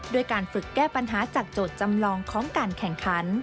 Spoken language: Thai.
ด้วยการฝึกแก้ปัญหาจากโจทย์จำลองของการแข่งขัน